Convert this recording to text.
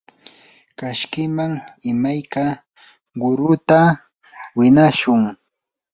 kashkiman imayka qurata winashun.